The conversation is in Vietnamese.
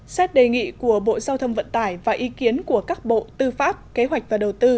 xét đề nghị của bộ giao thông vận tải và ý kiến của các bộ tư pháp kế hoạch và đầu tư